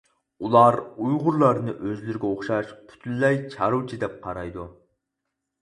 ئۇلار ئۇيغۇرلارنى ئۆزلىرىگە ئوخشاش پۈتۈنلەي چارۋىچى دەپ قارايدۇ.